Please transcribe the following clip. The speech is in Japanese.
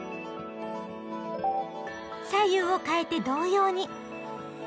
左右をかえて同様に。